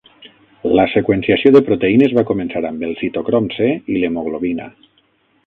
La seqüenciació de proteïnes va començar amb el citocrom C i l'hemoglobina.